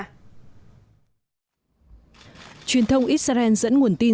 truyền thông israel dẫn nguồn tin